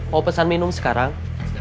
mau pesan minum sekarang